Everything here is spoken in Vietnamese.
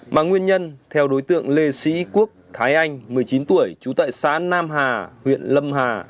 mà nguyên nhân theo đối tượng lê sĩ quốc thái anh một mươi chín tuổi trú tại xã nam hà huyện lâm hà